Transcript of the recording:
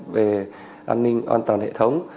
về an ninh an toàn hệ thống